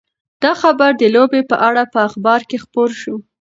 دا خبر د لوبې په اړه په اخبار کې خپور شو.